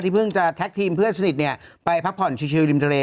เพิ่งจะแท็กทีมเพื่อนสนิทไปพักผ่อนชิลริมทะเล